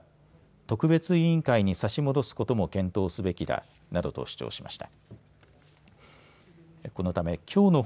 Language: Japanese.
特別委員会に差し戻すことも検討すべきだなどと主張しました。